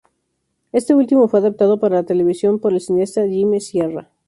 Este último, fue adaptado para televisión por el cineasta Jimmy Sierra.